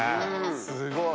すごい！